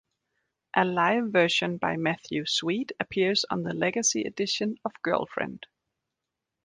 A live version by Matthew Sweet appears on the Legacy edition of Girlfriend.